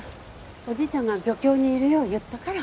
おじいちゃんが漁協にいるよう言ったから。